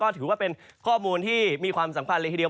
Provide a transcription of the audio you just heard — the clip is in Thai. ถือว่าเป็นข้อมูลที่มีความสำคัญเลยทีเดียว